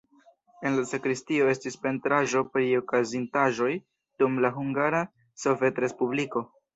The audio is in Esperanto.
En la sakristio estis pentraĵo pri okazintaĵoj dum la Hungara Sovetrespubliko.